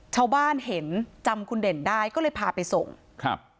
ชาวบ้านเห็นจำคุณเด่นได้ก็เลยพาไปส่งครับ